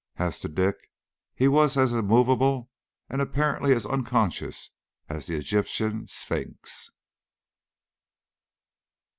As to Dick, he was as immovable and apparently as unconscious as the Egyptian Sphinx.